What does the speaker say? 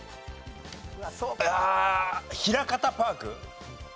ああひらかたパーク？